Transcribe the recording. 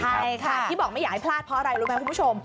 ใช่ค่ะที่บอกไม่อยากให้พลาดเพราะอะไรรู้ไหมคุณผู้ชม